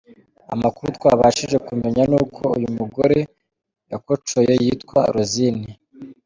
Amakuru twabashije kumenya ni uko uyu mugore yakocoye yitwa Rosine.